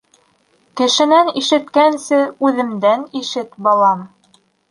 -Кешенән ишеткәнсе, үҙемдән ишет, балам.